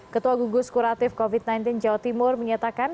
ketua gugus kuratif covid sembilan belas jawa timur menyatakan